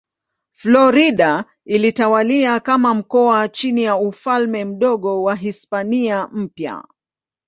Florida ilitawaliwa kama mkoa chini ya Ufalme Mdogo wa Hispania Mpya.